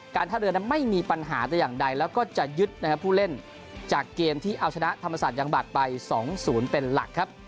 ท่าเรือนั้นไม่มีปัญหาแต่อย่างใดแล้วก็จะยึดนะครับผู้เล่นจากเกมที่เอาชนะธรรมศาสตร์ยังบัตรไป๒๐เป็นหลักครับ